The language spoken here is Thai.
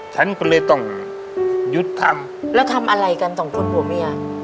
ฉันก็เลยต้องหยุดทำแล้วทำอะไรกันสองคนผัวเมีย